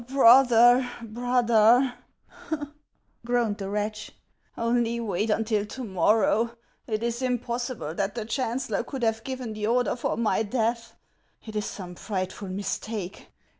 " Brother, brother !" groaned the wretch, " only wait until to morrow ! It is impossible that the chancellor could have given the order for my death ; it is some fright ful mistake.